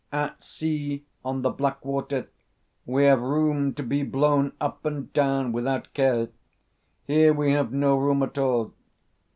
At sea, on the Black Water, we have room to be blown up and down without care. Here we have no room at all.